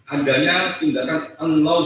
adanya tindakan unlawful